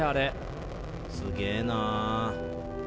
すげえな。